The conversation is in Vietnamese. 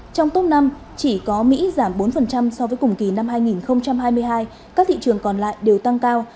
trong tốt năm chỉ có mỹ giảm bốn so với cùng kỳ năm hai nghìn hai mươi hai các thị trường còn lại đều tăng cao